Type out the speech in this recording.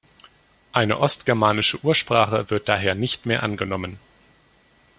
Eine ostgermanische Ursprache wird daher nicht mehr angenommen.